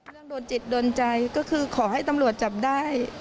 โดนจิตโดนใจก็คือขอให้ตำรวจจับได้